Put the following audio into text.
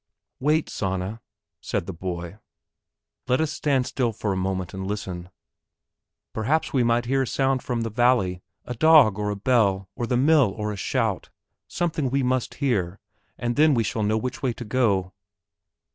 "Wait, Sanna," said the boy, "let us stand still for a moment and listen, perhaps we might hear a sound from the valley, a dog, or a bell, or the mill, or a shout, something we must hear, and then we shall know which way to go."